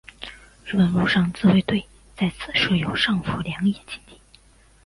日本陆上自卫队在此设有上富良野基地。